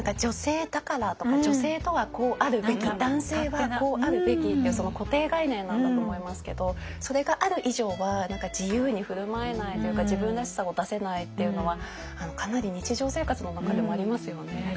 女性だからとか女性とはこうあるべき男性はこうあるべきっていう固定概念なんだと思いますけどそれがある以上は自由に振る舞えないというか自分らしさを出せないっていうのはかなり日常生活の中でもありますよね。